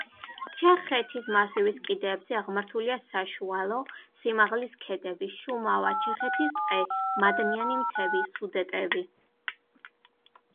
ჩეხეთის მასივის კიდეებზე აღმართულია საშუალო სიმაღლის ქედები: შუმავა, ჩეხეთის ტყე, მადნიანი მთები, სუდეტები.